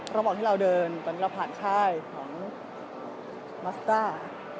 ระหว่างที่เราเดินตอนนี้เราผ่านค่ายของมัสต้า